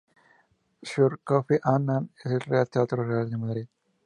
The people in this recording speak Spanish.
Sr. Kofi Annan en el Teatro Real de Madrid.